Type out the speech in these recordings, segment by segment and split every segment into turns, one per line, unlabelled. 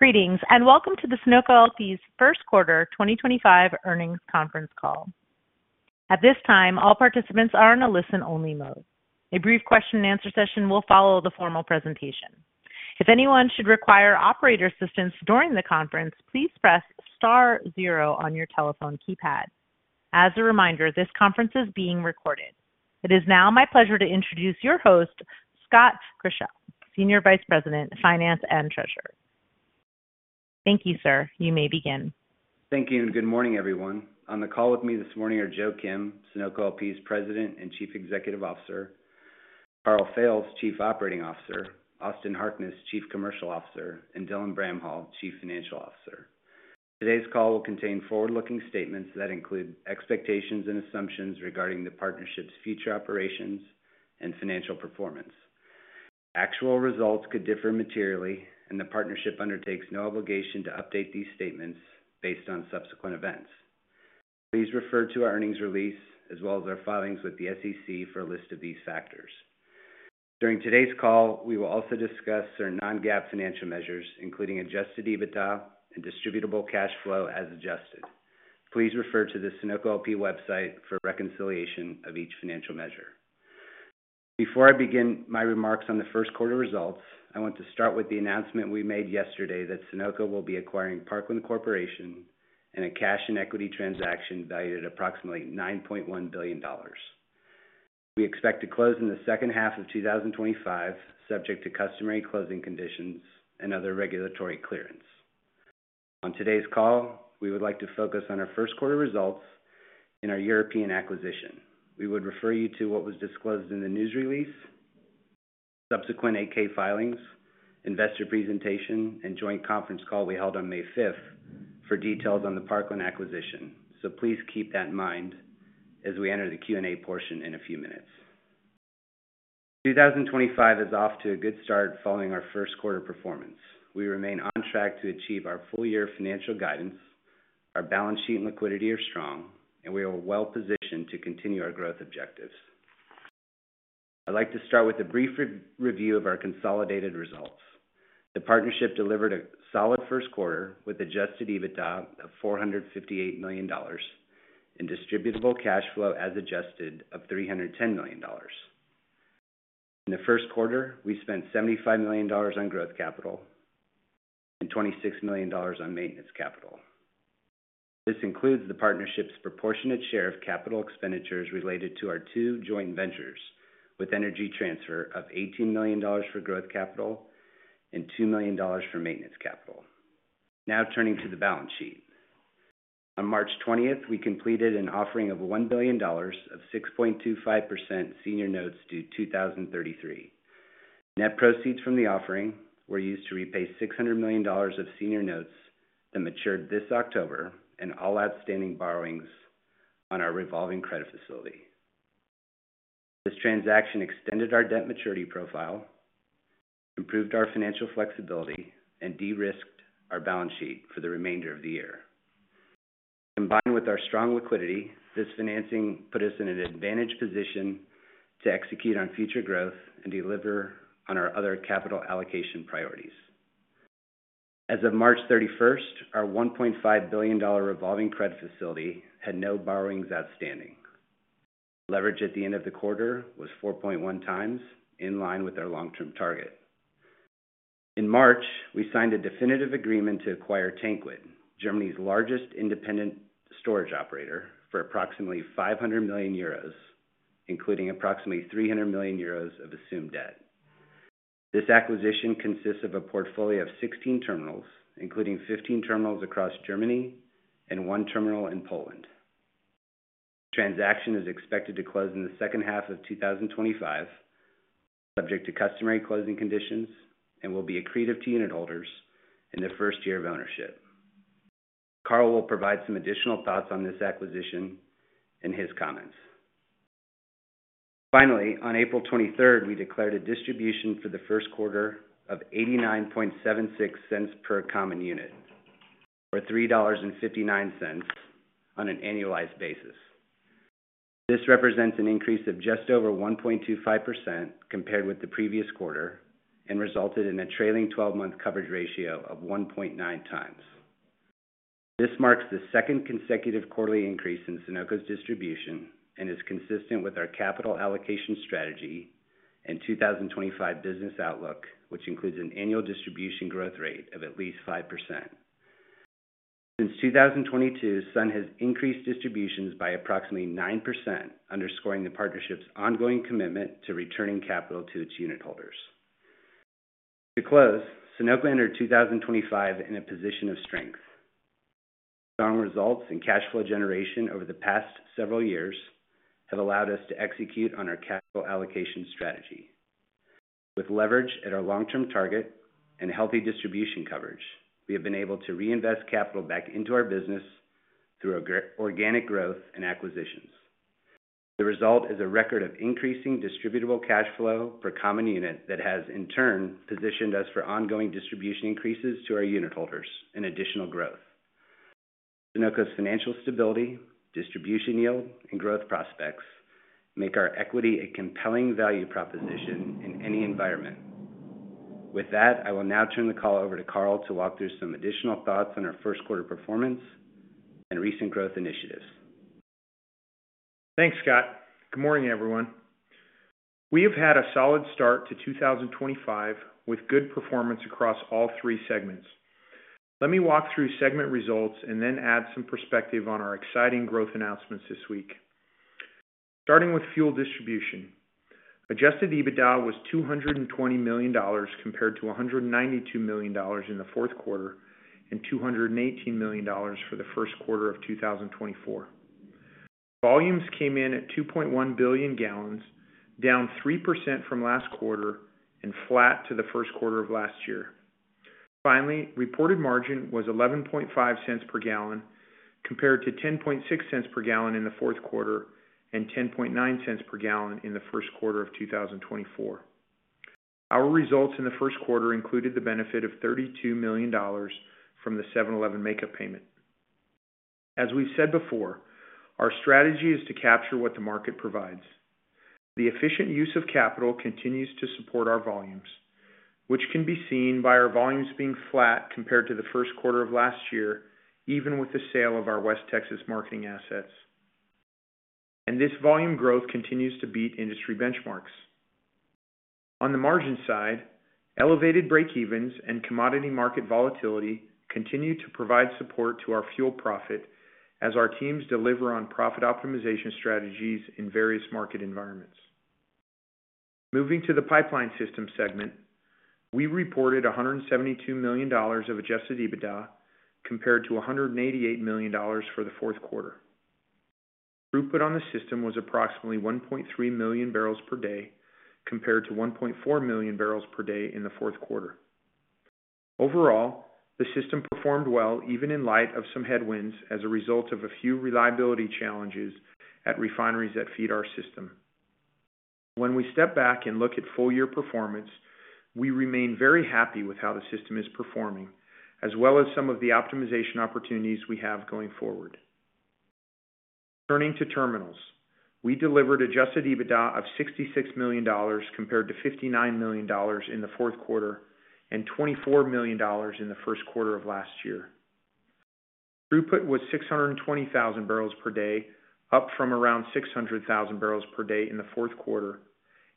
Greetings, and welcome to the Sunoco LP's First Quarter 2025 Earnings Conference Call. At this time, all participants are in a listen-only mode. A brief question-and-answer session will follow the formal presentation. If anyone should require operator assistance during the conference, please press star zero on your telephone keypad. As a reminder, this conference is being recorded. It is now my pleasure to introduce your host, Scott Grischow, Senior Vice President, Finance and Treasurer. Thank you, sir. You may begin.
Thank you, and good morning, everyone. On the call with me this morning are Joe Kim, Sunoco's President and Chief Executive Officer; Karl Fails, Chief Operating Officer; Austin Harkness, Chief Commercial Officer; and Dylan Bramhall, Chief Financial Officer. Today's call will contain forward-looking statements that include expectations and assumptions regarding the partnership's future operations and financial performance. Actual results could differ materially, and the partnership undertakes no obligation to update these statements based on subsequent events. Please refer to our earnings release, as well as our filings with the SEC, for a list of these factors. During today's call, we will also discuss our non-GAAP financial measures, including adjusted EBITDA and distributable cash flow as adjusted. Please refer to the Sunoco website for reconciliation of each financial measure. Before I begin my remarks on the first quarter results, I want to start with the announcement we made yesterday that Sunoco will be acquiring Parkland Corporation in a cash and equity transaction valued at approximately $9.1 billion. We expect to close in the second half of 2025, subject to customary closing conditions and other regulatory clearance. On today's call, we would like to focus on our first quarter results in our European acquisition. We would refer you to what was disclosed in the news release, subsequent AK filings, investor presentation, and joint conference call we held on May 5th for details on the Parkland acquisition. Please keep that in mind as we enter the Q&A portion in a few minutes. 2025 is off to a good start following our first quarter performance. We remain on track to achieve our full-year financial guidance. Our balance sheet and liquidity are strong, and we are well-positioned to continue our growth objectives. I'd like to start with a brief review of our consolidated results. The partnership delivered a solid first quarter with adjusted EBITDA of $458 million and distributable cash flow as adjusted of $310 million. In the first quarter, we spent $75 million on growth capital and $26 million on maintenance capital. This includes the partnership's proportionate share of capital expenditures related to our two joint ventures, with Energy Transfer of $18 million for growth capital and $2 million for maintenance capital. Now turning to the balance sheet. On March 20th, we completed an offering of $1 billion of 6.25% senior notes due 2033. Net proceeds from the offering were used to repay $600 million of senior notes that matured this October and all outstanding borrowings on our revolving credit facility. This transaction extended our debt maturity profile, improved our financial flexibility, and de-risked our balance sheet for the remainder of the year. Combined with our strong liquidity, this financing put us in an advantage position to execute on future growth and deliver on our other capital allocation priorities. As of March 31st, our $1.5 billion revolving credit facility had no borrowings outstanding. Leverage at the end of the quarter was 4.1x, in line with our long-term target. In March, we signed a definitive agreement to acquire TanQuid, Germany's largest independent storage operator, for approximately 500 million euros, including approximately 300 million euros of assumed debt. This acquisition consists of a portfolio of 16 terminals, including 15 terminals across Germany and one terminal in Poland. The transaction is expected to close in the second half of 2025, subject to customary closing conditions, and will be accretive to unit holders in the first year of ownership. Karl will provide some additional thoughts on this acquisition in his comments. Finally, on April 23rd, we declared a distribution for the first quarter of $89.76 per common unit or $3.59 on an annualized basis. This represents an increase of just over 1.25% compared with the previous quarter and resulted in a trailing 12-month coverage ratio of 1.9x. This marks the second consecutive quarterly increase in Sunoco's distribution and is consistent with our capital allocation strategy and 2025 business outlook, which includes an annual distribution growth rate of at least 5%. Since 2022, Sunoco has increased distributions by approximately 9%, underscoring the partnership's ongoing commitment to returning capital to its unit holders. To close, Sunoco entered 2025 in a position of strength. Strong results and cash flow generation over the past several years have allowed us to execute on our capital allocation strategy. With leverage at our long-term target and healthy distribution coverage, we have been able to reinvest capital back into our business through organic growth and acquisitions. The result is a record of increasing distributable cash flow per common unit that has, in turn, positioned us for ongoing distribution increases to our unit holders and additional growth. Sunoco's financial stability, distribution yield, and growth prospects make our equity a compelling value proposition in any environment. With that, I will now turn the call over to Karl to walk through some additional thoughts on our first quarter performance and recent growth initiatives.
Thanks, Scott. Good morning, everyone. We have had a solid start to 2025 with good performance across all three segments. Let me walk through segment results and then add some perspective on our exciting growth announcements this week. Starting with fuel distribution, adjusted EBITDA was $220 million compared to $192 million in the fourth quarter and $218 million for the first quarter of 2024. Volumes came in at 2.1 billion gal, down 3% from last quarter and flat to the first quarter of last year. Finally, reported margin was $11.50 per gal compared to $10.60 per gal in the fourth quarter and $10.90 per gal in the first quarter of 2024. Our results in the first quarter included the benefit of $32 million from the 7-Eleven makeup payment. As we've said before, our strategy is to capture what the market provides. The efficient use of capital continues to support our volumes, which can be seen by our volumes being flat compared to the first quarter of last year, even with the sale of our West Texas marketing assets. This volume growth continues to beat industry benchmarks. On the margin side, elevated breakevens and commodity market volatility continue to provide support to our fuel profit as our teams deliver on profit optimization strategies in various market environments. Moving to the pipeline system segment, we reported $172 million of adjusted EBITDA compared to $188 million for the fourth quarter. Throughput on the system was approximately 1.3 MMbpd compared to 1.4 MMbpd in the fourth quarter. Overall, the system performed well even in light of some headwinds as a result of a few reliability challenges at refineries that feed our system. When we step back and look at full-year performance, we remain very happy with how the system is performing, as well as some of the optimization opportunities we have going forward. Turning to terminals, we delivered adjusted EBITDA of $66 million compared to $59 million in the fourth quarter and $24 million in the first quarter of last year. Throughput was 620,000 bbl per day, up from around 600,000 bbl per day in the fourth quarter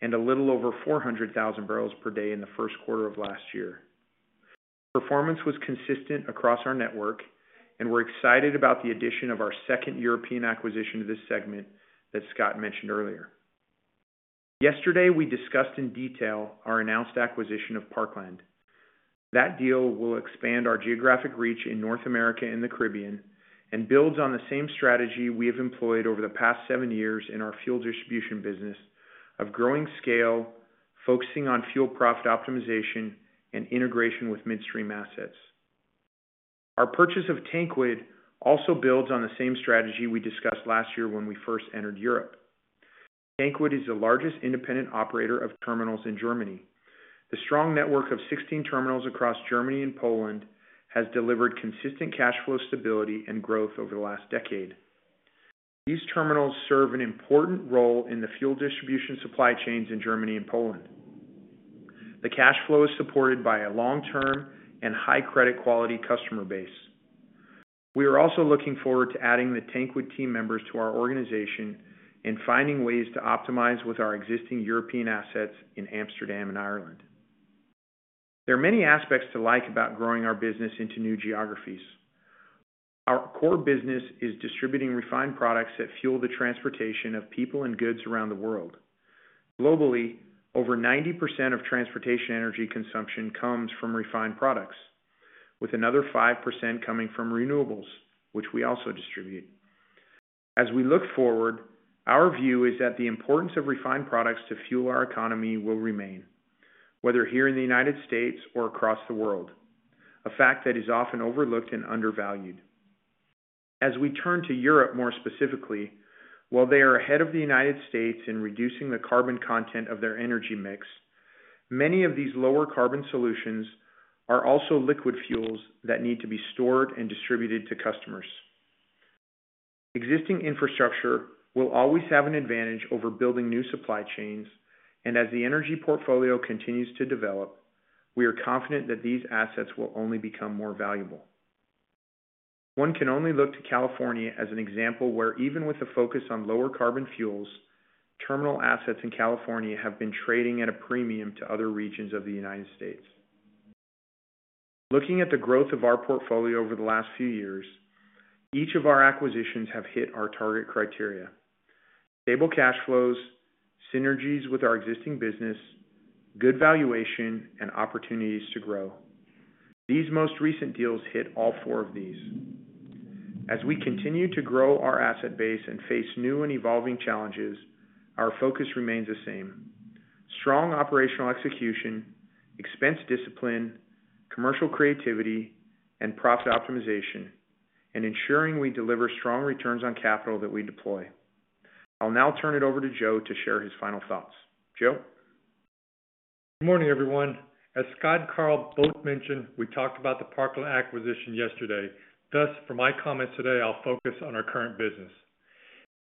and a little over 400,000 bbl per day in the first quarter of last year. Performance was consistent across our network, and we're excited about the addition of our second European acquisition to this segment that Scott mentioned earlier. Yesterday, we discussed in detail our announced acquisition of Parkland. That deal will expand our geographic reach in North America and the Caribbean and builds on the same strategy we have employed over the past seven years in our fuel distribution business of growing scale, focusing on fuel profit optimization and integration with midstream assets. Our purchase of TanQuid also builds on the same strategy we discussed last year when we first entered Europe. TanQuid is the largest independent operator of terminals in Germany. The strong network of 16 terminals across Germany and Poland has delivered consistent cash flow stability and growth over the last decade. These terminals serve an important role in the fuel distribution supply chains in Germany and Poland. The cash flow is supported by a long-term and high-credit quality customer base. We are also looking forward to adding the TanQuid team members to our organization and finding ways to optimize with our existing European assets in Amsterdam and Ireland. There are many aspects to like about growing our business into new geographies. Our core business is distributing refined products that fuel the transportation of people and goods around the world. Globally, over 90% of transportation energy consumption comes from refined products, with another 5% coming from renewables, which we also distribute. As we look forward, our view is that the importance of refined products to fuel our economy will remain, whether here in the U.S. or across the world, a fact that is often overlooked and undervalued. As we turn to Europe more specifically, while they are ahead of the U.S. in reducing the carbon content of their energy mix, many of these lower carbon solutions are also liquid fuels that need to be stored and distributed to customers. Existing infrastructure will always have an advantage over building new supply chains, and as the energy portfolio continues to develop, we are confident that these assets will only become more valuable. One can only look to California as an example where, even with a focus on lower carbon fuels, terminal assets in California have been trading at a premium to other regions of the U.S. Looking at the growth of our portfolio over the last few years, each of our acquisitions has hit our target criteria: stable cash flows, synergies with our existing business, good valuation, and opportunities to grow. These most recent deals hit all four of these. As we continue to grow our asset base and face new and evolving challenges, our focus remains the same: strong operational execution, expense discipline, commercial creativity, and profit optimization, and ensuring we deliver strong returns on capital that we deploy. I'll now turn it over to Joe to share his final thoughts. Joe?
Good morning, everyone. As Scott and Karl both mentioned, we talked about the Parkland acquisition yesterday. Thus, for my comments today, I'll focus on our current business.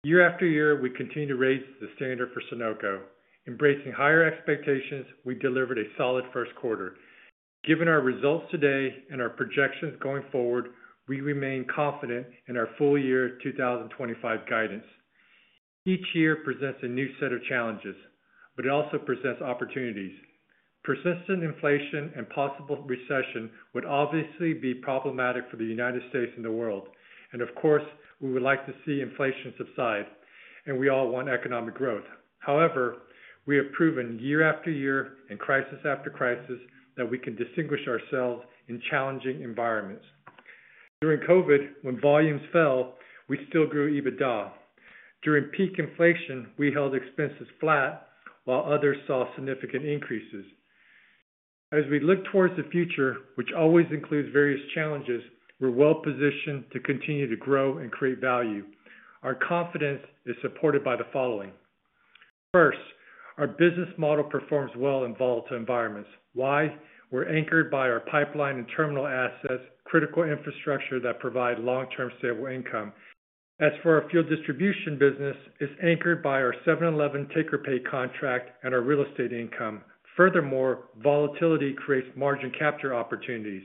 Year-after-year, we continue to raise the standard for Sunoco. Embracing higher expectations, we delivered a solid first quarter. Given our results today and our projections going forward, we remain confident in our full-year 2025 guidance. Each year presents a new set of challenges, but it also presents opportunities. Persistent inflation and possible recession would obviously be problematic for the U.S. and the world. Of course, we would like to see inflation subside, and we all want economic growth. However, we have proven year-after-year and crisis after crisis that we can distinguish ourselves in challenging environments. During COVID, when volumes fell, we still grew EBITDA. During peak inflation, we held expenses flat while others saw significant increases. As we look towards the future, which always includes various challenges, we're well positioned to continue to grow and create value. Our confidence is supported by the following. First, our business model performs well in volatile environments. Why? We're anchored by our pipeline and terminal assets, critical infrastructure that provide long-term stable income. As for our fuel distribution business, it's anchored by our 7-Eleven take-or-pay contract and our real estate income. Furthermore, volatility creates margin capture opportunities.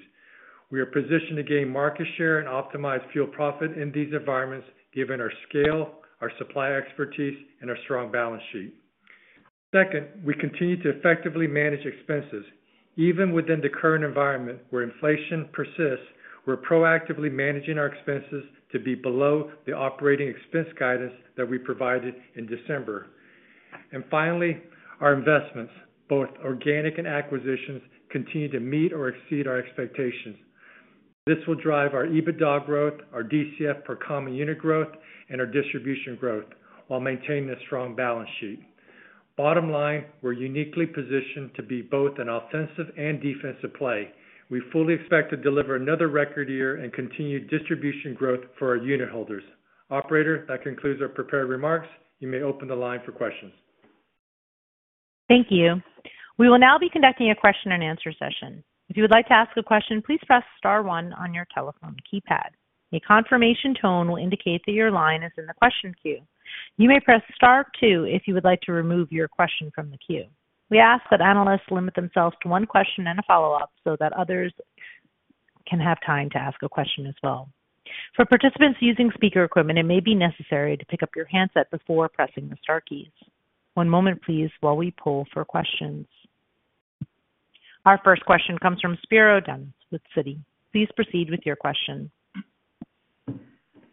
We are positioned to gain market share and optimize fuel profit in these environments given our scale, our supply expertise, and our strong balance sheet. Second, we continue to effectively manage expenses. Even within the current environment where inflation persists, we're proactively managing our expenses to be below the operating expense guidance that we provided in December. Finally, our investments, both organic and acquisitions, continue to meet or exceed our expectations. This will drive our EBITDA growth, our DCF per common unit growth, and our distribution growth while maintaining a strong balance sheet. Bottom line, we're uniquely positioned to be both an offensive and defensive play. We fully expect to deliver another record year and continue distribution growth for our unit holders. Operator, that concludes our prepared remarks. You may open the line for questions.
Thank you. We will now be conducting a question and answer session. If you would like to ask a question, please press star one on your telephone keypad. A confirmation tone will indicate that your line is in the question queue. You may press star two if you would like to remove your question from the queue. We ask that analysts limit themselves to one question and a follow-up so that others can have time to ask a question as well. For participants using speaker equipment, it may be necessary to pick up your handset before pressing the star keys. One moment, please, while we pull for questions. Our first question comes from Spiro Dunn with Citi. Please proceed with your question.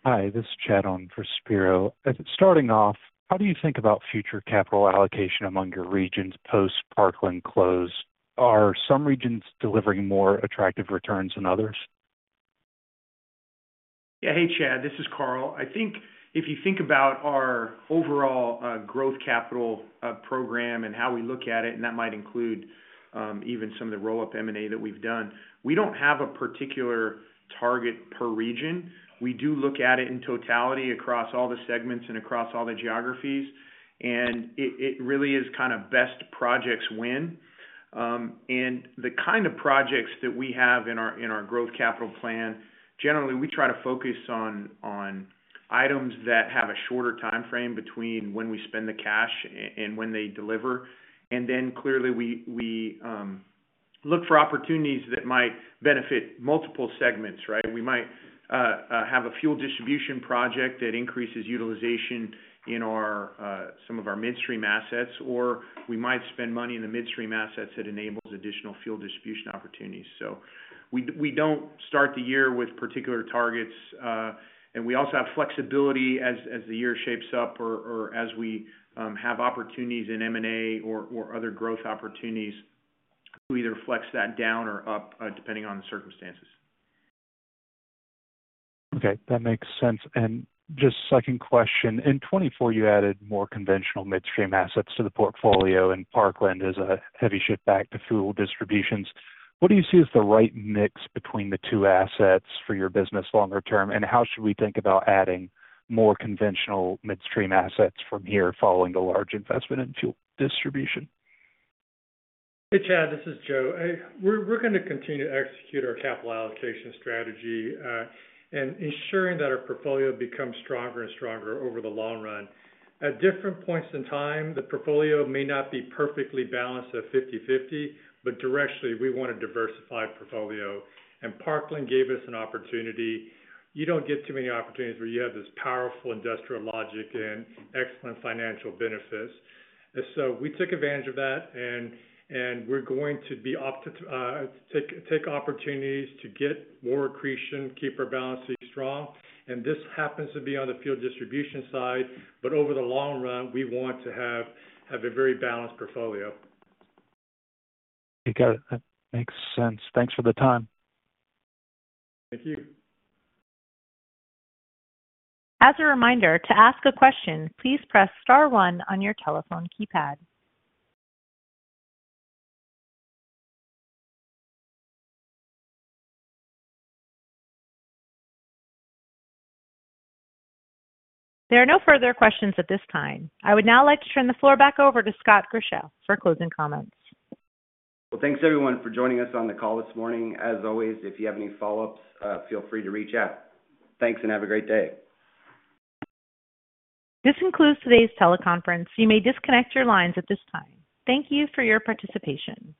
Hi, this is Chad on for Spiro. Starting off, how do you think about future capital allocation among your regions post-Parkland close? Are some regions delivering more attractive returns than others?
Yeah, hey, Chad. This is Karl. I think if you think about our overall growth capital program and how we look at it, and that might include even some of the roll-up M&A that we've done, we don't have a particular target per region. We do look at it in totality across all the segments and across all the geographies. It really is kind of best projects win. The kind of projects that we have in our growth capital plan, generally, we try to focus on items that have a shorter time frame between when we spend the cash and when they deliver. Clearly, we look for opportunities that might benefit multiple segments, right? We might have a fuel distribution project that increases utilization in some of our midstream assets, or we might spend money in the midstream assets that enables additional fuel distribution opportunities. We don't start the year with particular targets. We also have flexibility as the year shapes up or as we have opportunities in M&A or other growth opportunities to either flex that down or up depending on the circumstances. Okay. That makes sense. Just second question. In 2024, you added more conventional midstream assets to the portfolio, and Parkland is a heavy shift back to fuel distribution. What do you see as the right mix between the two assets for your business longer term? How should we think about adding more conventional midstream assets from here following a large investment in fuel distribution?
Hey, Chad. This is Joe. We are going to continue to execute our capital allocation strategy and ensuring that our portfolio becomes stronger and stronger over the long run. At different points in time, the portfolio may not be perfectly balanced at 50/50, but directly, we want a diversified portfolio. Parkland gave us an opportunity. You do not get too many opportunities where you have this powerful industrial logic and excellent financial benefits. We took advantage of that, and we are going to take opportunities to get more accretion, keep our balance sheet strong. This happens to be on the fuel distribution side, but over the long run, we want to have a very balanced portfolio. Okay. Got it. That makes sense. Thanks for the time. Thank you.
As a reminder, to ask a question, please press star one on your telephone keypad. There are no further questions at this time. I would now like to turn the floor back over to Scott Grischow for closing comments.
Thanks, everyone, for joining us on the call this morning. As always, if you have any follow-ups, feel free to reach out. Thanks and have a great day.
This concludes today's teleconference. You may disconnect your lines at this time. Thank you for your participation.